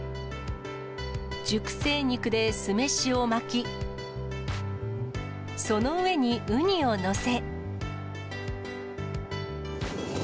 熟成肉で酢飯を巻き、その上にウニを載せ。